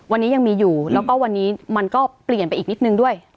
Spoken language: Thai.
วันนี้ยังมีอยู่แล้วก็วันนี้มันก็เปลี่ยนไปอีกนิดนึงด้วย